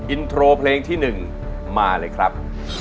รอกายเพลงที่๑มาเลยครับ